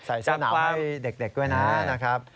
ใส่เส้นหนาวให้เด็กกด้วยนะครับ